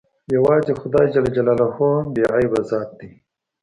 يوازې خداى بې عيبه ذات ديه.